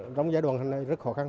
trong giai đoạn này rất khó khăn